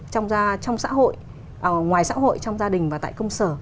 trong xã hội ngoài xã hội trong gia đình và tại công sở